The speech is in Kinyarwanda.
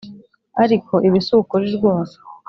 ariko ibi si ukuri rwose